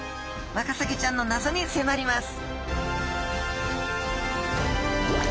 ワカサギちゃんのなぞにせまります